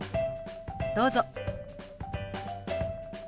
どうぞ。